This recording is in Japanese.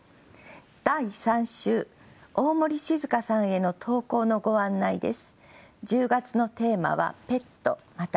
第３週大森静佳さんへの投稿のご案内です。